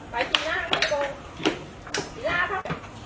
ไปที่นั่นลูกโก